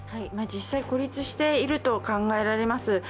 実際、孤立していると考えられます。